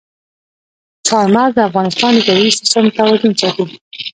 چار مغز د افغانستان د طبعي سیسټم توازن ساتي.